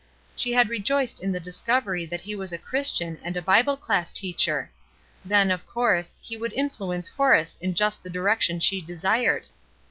She had rejoiced in the discovery that he was a Christian and a Bible class teacher. Then, of course, he would influence Horace in just the direction she desired.